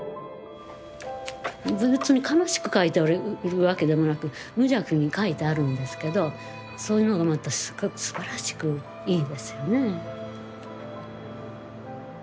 別に悲しく描いているわけでもなく無邪気に描いてあるんですけどそういうのがまたすばらしくいいですよねえ。